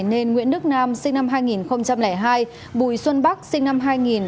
nên nguyễn đức nam sinh năm hai nghìn hai bùi xuân bắc sinh năm hai nghìn